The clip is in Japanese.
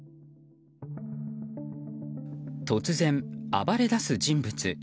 突然、暴れだす人物。